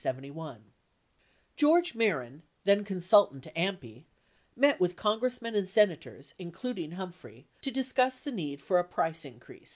56 George Mehren, then consultant to AMPI, met with Congressmen and Sena tors, including Humphrey, to discuss the need for a price increase.